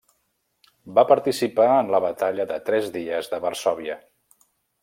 Va participar en la batalla de tres dies de Varsòvia.